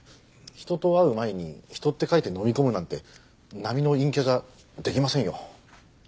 人と会う前に「人」って書いてのみ込むなんて並の陰キャじゃできませんよ。